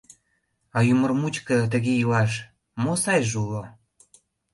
А ӱмыр мучко тыге илаш мо сайже уло?